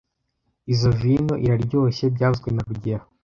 Izoi vino iraryoshye byavuzwe na rugero